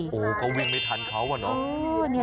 โหก็วิ่งไม่ทันเขาว่ะน้อง